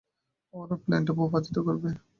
ওরা প্লেনটা ভূপাতিত করবে।